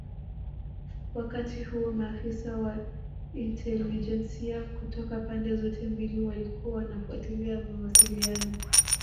Wakati huo maafisa wa intelijensia kutoka pande zote mbili walikuwa wanafuatilia mawasiliano